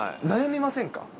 悩みませんか？